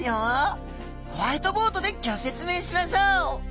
ホワイトボードでギョ説明しましょう！